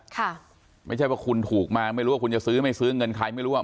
ค่ะไม่ใช่ว่าคุณถูกมาไม่รู้ว่าคุณจะซื้อไม่ซื้อเงินใครไม่รู้ว่า